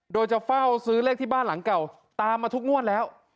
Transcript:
โดยจะเฝ้าซื้อเลขที่บ้านหลังเก่าตามมาทุกงวดแล้ว